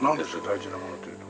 大事なものというと。